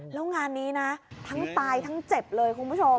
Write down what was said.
แล้วงานนี้นะทั้งตายทั้งเจ็บเลยคุณผู้ชม